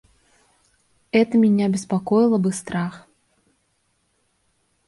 Это меня беспокоило бы страх.